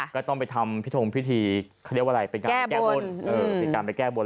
ก็ต้องไปทำพิธงพิธีแก้บ้น